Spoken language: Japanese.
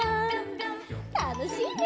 たのしいね。